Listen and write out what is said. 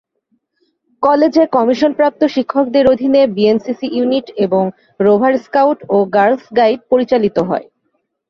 কলেজে কমিশনপ্রাপ্ত শিক্ষকদের অধীনে বিএনসিসি ইউনিট এবং রোভার স্কাউট ও গার্লস গাইড পরিচালিত হয়।